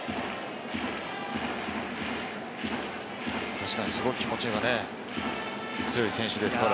確かにすごく気持ちが強い選手ですから。